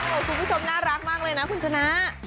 คุณผู้ชมน่ารักมากเลยนะคุณชนะ